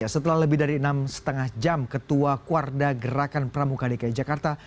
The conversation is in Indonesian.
setelah lebih dari enam lima jam ketua kuarda gerakan pramuka dki jakarta